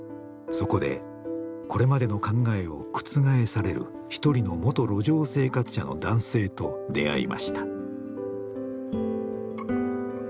そこでこれまでの考えを覆される一人の元路上生活者の男性と出会いました。